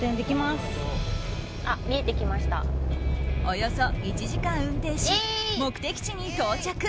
およそ１時間運転し目的地に到着。